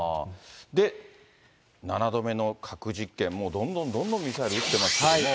で、７度目の核実験、もうどんどんどんどんミサイル撃ってますけれども。